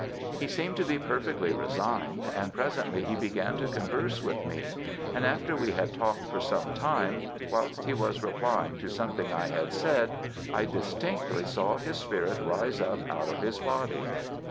He seemed to be perfectly resigned, and presently he began to converse with me, and after we had talked for some time, whilst he was replying to something I had said, I distinctly saw his spirit rise up out of his body.